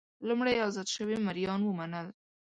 لومړی ازاد شوي مریان ومنل.